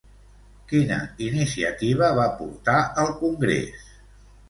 Quina iniciativa va portar al congrés?